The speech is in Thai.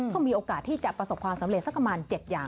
ก็มีโอกาสที่จะประสบความสำเร็จสักประมาณ๗อย่าง